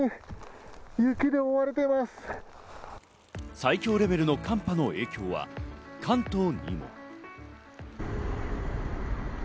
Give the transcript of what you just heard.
最強レベルの寒波の影響は関東にも。